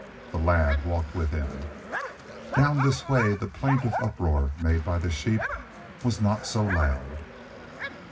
The lad walked with him. Down this way the plaintive uproar made by the sheep was not so loud.